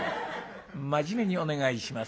真面目にお願いします。